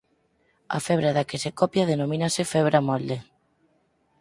A febra da que se copia denomínase febra molde.